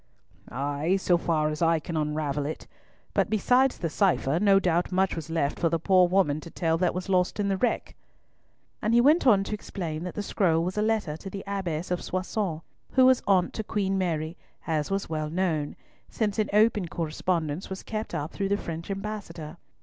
"Ay! so far as I can unravel it; but besides the cipher no doubt much was left for the poor woman to tell that was lost in the wreck." And he went on to explain that the scroll was a letter to the Abbess of Soissons, who was aunt to Queen Mary, as was well known, since an open correspondence was kept up through the French ambassador.